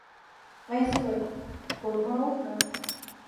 ایا زه باید قورمه وخورم؟